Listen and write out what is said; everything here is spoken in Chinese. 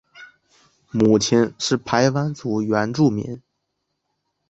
母亲是排湾族原住民。